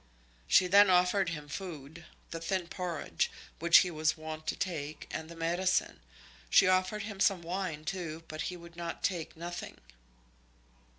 She then offered him food, the thin porridge, which he was wont to take, and the medicine. She offered him some wine too, but he would take nothing.